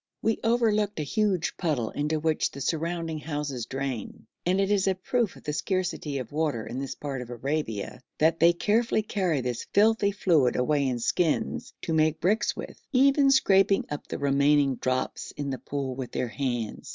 We overlooked a huge puddle into which the surrounding houses drain, and it is a proof of the scarcity of water in this part of Arabia, that they carefully carry this filthy fluid away in skins to make bricks with, even scraping up the remaining drops in the pool with their hands.